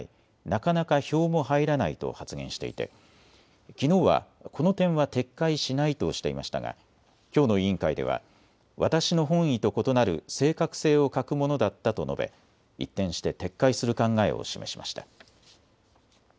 なかなか票も入らないと発言していてきのうはこの点は撤回しないとしていましたがきょうの委員会では私の本意と異なる正確性を欠くものだったと述べ、一転して撤回する考えを示しました。